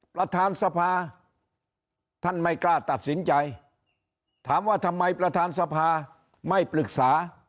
ประธานสภาท่านไม่กล้าตัดสินใจถามว่าทำไมประธานสภาไม่ปรึกษา